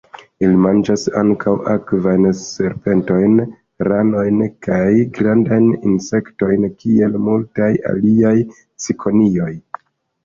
Ili manĝas ankaŭ akvajn serpentojn, ranojn kaj grandajn insektojn, kiel multaj aliaj cikonioj.